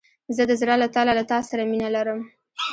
زه د زړه له تله له تا سره مينه لرم.